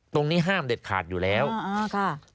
ห้ามเด็ดขาดอยู่แล้วอ่าค่ะ